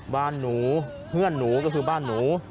บ้านหนูเพื่อนหนูก็คือบ้านหนู